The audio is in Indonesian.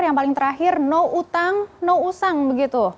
yang paling terakhir no utang no usang begitu